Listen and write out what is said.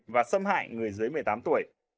và xâm hại người dưới một mươi tám tuổi